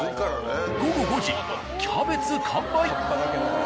午後５時キャベツ完売。